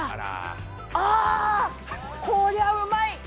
あ、こりゃうまい！